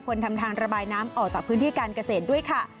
ทำทางระบายน้ำออกจากพื้นที่การเกษตรด้วยค่ะ